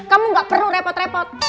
kamu gak perlu repot repot